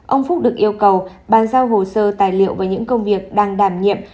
ông phúc được yêu cầu bàn giao hồ sơ tài liệu với những công việc đang đảm nhiệm